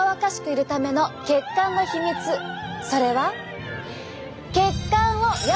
それは。